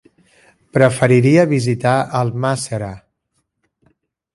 Preferiria visitar Almàssera.